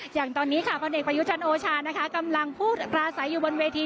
อย่างตอนนี้ค่ะพลเอกประยุจันทร์โอชานะคะกำลังพูดปราศัยอยู่บนเวที